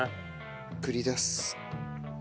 くり出す。